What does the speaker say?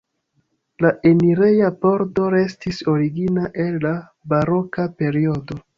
La enireja pordo restis origina el la baroka periodo.